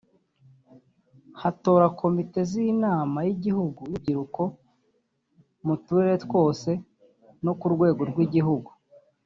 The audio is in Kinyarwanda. hatora Komite z’Inama y’igihugu y’Urubyiruko mu turere twose no ku rwego rw’igihugu